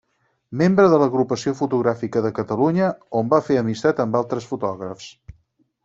Membre de l'Agrupació Fotogràfica de Catalunya, on va fer amistat amb altres fotògrafs.